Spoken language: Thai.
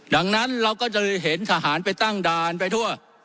ดังนั้นเราก็จะเห็นทหารไปตั้งด่านไปทั่ว